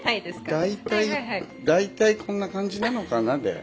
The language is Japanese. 大体大体こんな感じなのかなで。